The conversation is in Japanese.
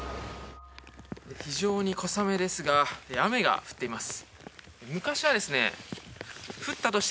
非常に小雨ですが雨が降っています。